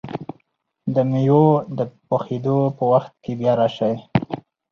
د مېوو د پخېدو په وخت کې بیا راشئ!